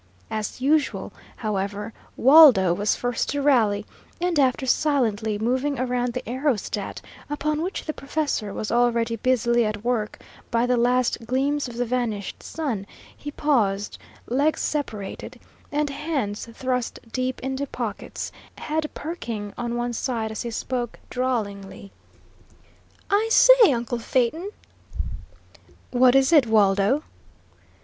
As usual, however, Waldo was first to rally, and, after silently moving around the aerostat, upon which the professor was already busily at work by the last gleams of the vanished sun, he paused, legs separated, and hands thrust deep into pockets, head perking on one side as he spoke, drawlingly: "I say, uncle Phaeton?" "What is it, Waldo?"